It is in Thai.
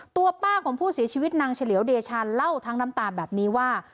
ตัวป้าของผู้เสียชีวิตนางเฉลียวเดชาเล่าทั้งน้ำตาแบบนี้ว่า